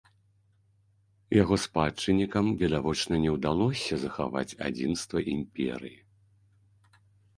Яго спадчыннікам, відавочна, не ўдалося захаваць адзінства імперыі.